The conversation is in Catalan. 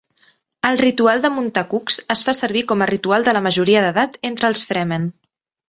El ritual de muntar cucs es fa servir com a ritual de la majoria d'edat entre els Fremen.